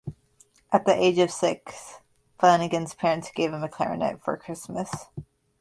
At the age of six, Flanagan's parents gave him a clarinet for Christmas.